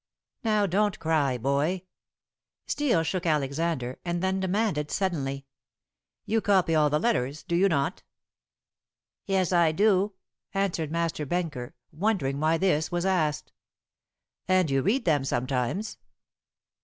Now don't cry, boy." Steel shook Alexander, and then demanded suddenly, "You copy all the letters, do you not?" "Yes, I do," answered Master Benker, wondering why this was asked. "And you read them sometimes?"